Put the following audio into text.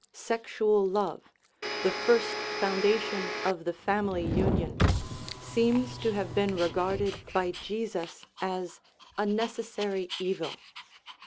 Sexual love, the first foundation of the fam ily union, seems to have been regarded by Jesus as a necessary evil.